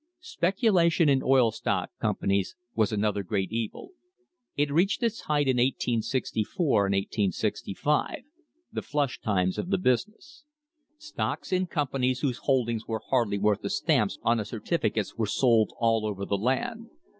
Speculation in oil stock companies was another great evil. It reached its height in 1864 and 1865 — the "flush times" of the business. Stocks in companies whose holdings were hardly worth the stamps on the certificates were sold all over the land.